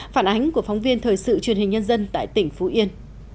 phản ánh của phóng viên thời sự truyền hình nhân dân tại tỉnh phú yên